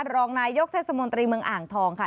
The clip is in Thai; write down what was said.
รองนายกเทศมนตรีเมืองอ่างทองค่ะ